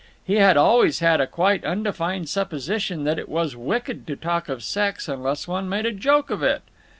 He had always had a quite undefined supposition that it was wicked to talk of sex unless one made a joke of it.